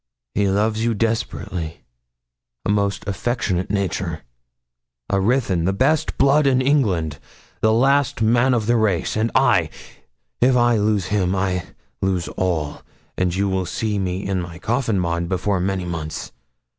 He loves you desperately a most affectionate nature a Ruthyn, the best blood in England the last man of the race; and I if I lose him I lose all; and you will see me in my coffin, Maud, before many months.